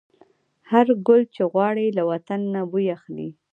هر ګل چې غوړي، له وطن نه بوی اخلي